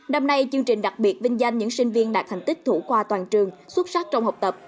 năm nay chương trình đặc biệt vinh danh những sinh viên đạt thành tích thủ khoa toàn trường xuất sắc trong học tập